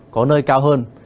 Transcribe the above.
có nơi cao hơn